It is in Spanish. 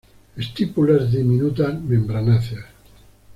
Estípulas diminutas, membranáceas.